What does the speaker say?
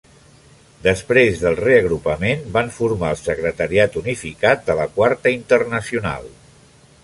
Després del reagrupament van formar el Secretariat Unificat de la Quarta Internacional.